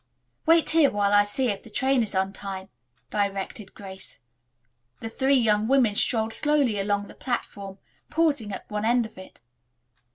"Wait here while I see if the train is on time," directed Grace. The three young women strolled slowly along the platform, pausing at one end of it.